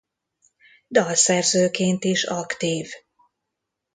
Dalszerzőként is aktív.